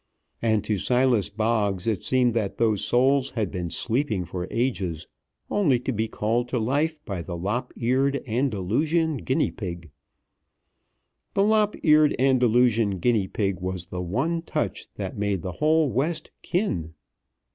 And to Silas Boggs it seemed that those souls had been sleeping for ages, only to be called to life by the lop eared Andalusian guinea pig. The lop eared Andalusian guinea pig was the one touch that made the whole West kin.